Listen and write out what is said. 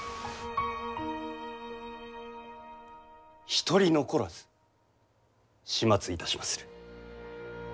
一人残らず始末いたしまする。